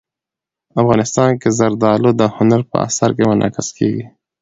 افغانستان کې زردالو د هنر په اثار کې منعکس کېږي.